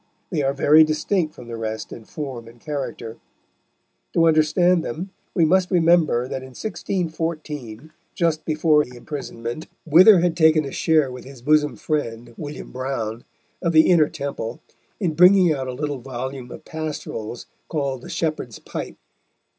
They are very distinct from the rest in form and character. To understand them we must remember that in 1614, just before the imprisonment, Wither had taken a share with his bosom friend, William Browne, of the Inner Temple, in bringing out a little volume of pastorals, called The Shepherd's Pipe.